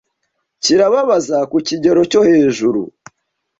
kirababaza ku kigero cyo hejuru.